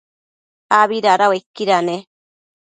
abi dada uaiquida ne?